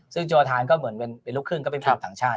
ซึ่งโจทานก็เหมือนเป็นลูกครึ่งก็เป็นชาวต่างชาติ